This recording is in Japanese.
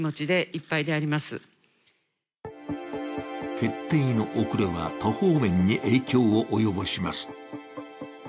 決定の遅れは多方面に影響を及ぼします。